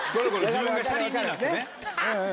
自分が車輪になってね。